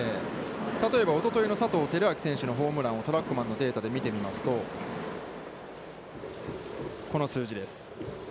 例えば、おとといの佐藤輝明選手のデータをトラックマンのデータで見てみますと、この数字です。